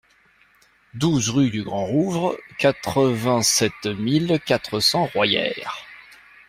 douze rue du Grand Rouvre, quatre-vingt-sept mille quatre cents Royères